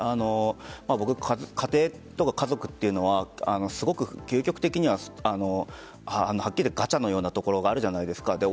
僕、家庭とか家族というのはすごく究極的にははっきり言ってガチャのようなところがあるじゃないですか。